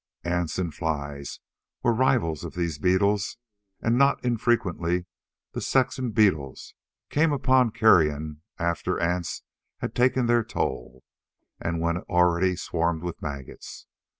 Ants and flies were rivals of these beetles and not infrequently the sexton beetles came upon carrion after ants had taken their toll, and when it already swarmed with maggots.